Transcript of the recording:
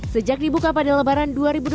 sejak dibuka pada lebaran dua ribu dua puluh